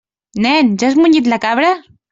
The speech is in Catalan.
Nen, ja has munyit la cabra?